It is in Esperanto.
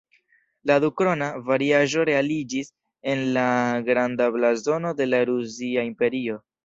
La "dukrona"-variaĵo realiĝis en la "Granda blazono de la Rusia Imperio".